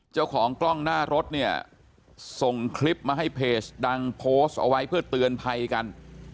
เจ้าของกล้องหน้ารถเนี่ยส่งคลิปมาให้เพจดังโพสต์เอาไว้เพื่อเตือนภัยกัน